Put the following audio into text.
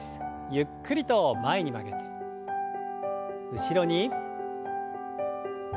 ゆっくりと前に曲げて後ろに。